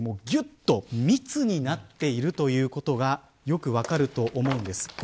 ぎゅっと密になっているということがよく分かると思うんです。